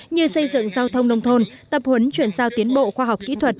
như xây dựng giao thông nông thôn tập huấn chuyển giao tiến bộ khoa học kỹ thuật